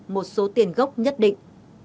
một số tiền gốc nhất định